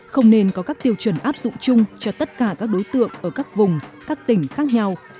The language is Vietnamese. không nên có các tiêu chuẩn áp dụng chung cho tất cả các đối tượng ở các vùng các tỉnh khác nhau